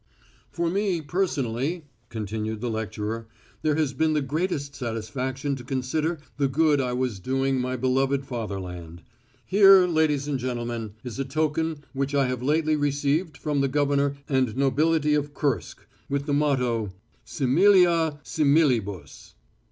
"For me personally," continued the lecturer, "there has been the greatest satisfaction to consider the good I was doing my beloved fatherland. Here, ladies and gentlemen, is a token which I have lately received from the governor and nobility of Kursk with the motto: _Similia similibus.